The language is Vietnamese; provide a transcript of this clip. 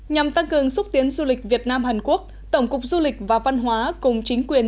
nhằm tăng cường xúc tiến du lịch việt nam hàn quốc tổng cục du lịch và văn hóa cùng chính quyền